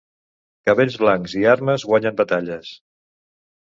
Cabells blancs i armes guanyen batalles.